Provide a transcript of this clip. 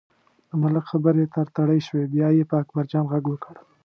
د ملک خبرې تړتړۍ شوې، بیا یې په اکبرجان غږ وکړ.